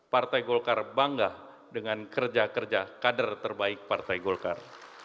partai golkar bangga dengan kerja kerja kader terbaik partai golkar